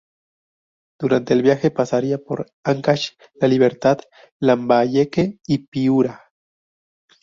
Durante el viaje pasaría por Ancash, La Libertad, Lambayeque y Piura.